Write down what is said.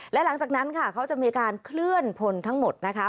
และหลังจากนั้นค่ะเขาจะมีการเคลื่อนพลทั้งหมดนะคะ